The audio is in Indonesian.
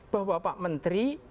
bahwa pak menteri